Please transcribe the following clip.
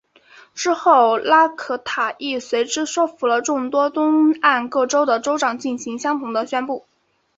之后拉可塔亦随之说服了众多东岸各州的州长进行相同的宣布。